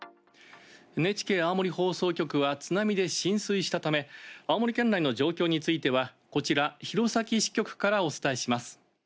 ＮＨＫ青森放送局は津波で浸水したため青森県内の状況についてはこちら弘前支局からお伝えします。